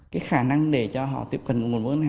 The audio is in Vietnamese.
cái khả năng để cho họ tiếp hình một mối